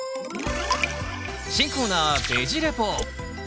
新コーナー「ベジ・レポ」。